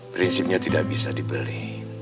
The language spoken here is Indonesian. prinsipnya tidak bisa dibeli